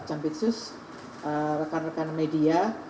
jampitsus rekan rekan media